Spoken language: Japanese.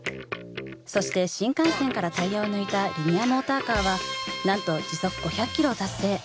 そして新幹線からタイヤを抜いたリニアモーターカーはなんと時速５００ｋｍを達成。